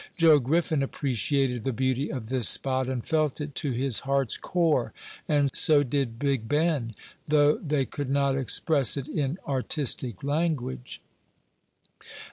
Joe Griffin appreciated the beauty of this spot, and felt it to his heart's core; and so did big Ben, though they could not express it in artistic language.